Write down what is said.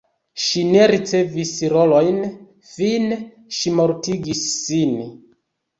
Ŝi ne ricevis rolojn, fine ŝi mortigis sin.